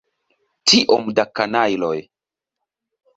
Tiom da kanajloj!